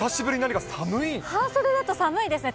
半袖だと寒いですね。